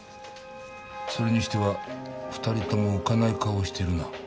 それにしては２人とも浮かない顔をしてるな。